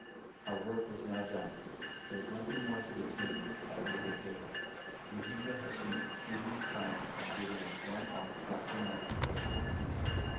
Our work was now done; there was nothing more to detain us at Mugihewa. Ruhinga had been exceedingly kind, and given us one ox after another to butcher and eat.